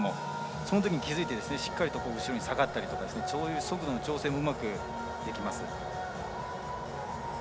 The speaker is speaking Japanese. そのときに気付いてしっかり後ろに下がったりとかそういう速度の調整もうまくできます。